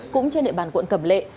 cũng trên địa bàn quận cẩm lệ